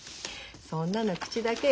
そんなの口だけよ。